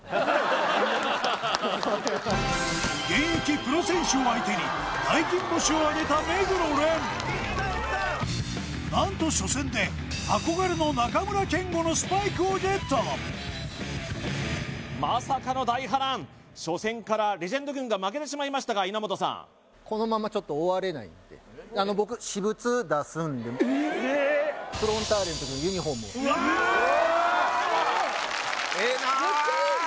現役プロ選手を相手に大金星をあげた目黒蓮何と初戦で憧れの中村憲剛のスパイクをゲットまさかの大波乱初戦からレジェンド軍が負けてしまいましたが稲本さんフロンターレの時のユニフォームを・めっちゃいいじゃん